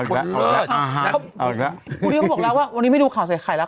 หนุ่มกรรชัยวันนี้ไม่ดูข่าวใส่ไข่แล้ว